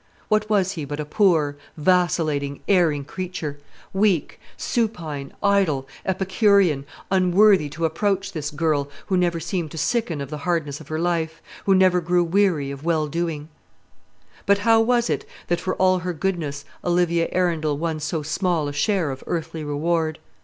What was he but a poor, vacillating, erring creature; weak, supine, idle, epicurean; unworthy to approach this girl, who never seemed to sicken of the hardness of her life, who never grew weary of well doing? But how was it that, for all her goodness, Olivia Arundel won so small a share of earthly reward?